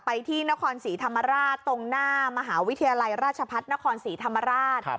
ที่นครศรีธรรมราชตรงหน้ามหาวิทยาลัยราชพัฒนครศรีธรรมราช